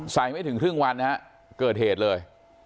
ใส่ไม่ถึงครึ่งวันเกิดเหตุเลย